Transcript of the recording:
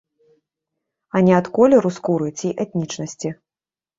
А не ад колеру скуры ці этнічнасці.